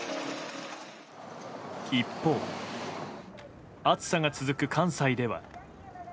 一方、暑さが続く関西では。